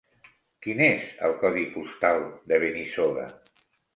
Quin és el codi postal de Benissoda?